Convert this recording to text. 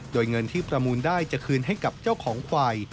โดยเงินที่ประมูลได้จะคืนให้กับเจ้าของควาย